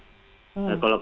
kalau ke provinsi mungkin ada